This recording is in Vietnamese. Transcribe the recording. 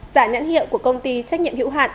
giả nhãn hiệu của công ty trách nhiệm hữu hạn